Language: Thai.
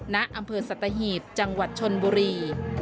ณอำเภอสัตหีบจังหวัดชนบุรี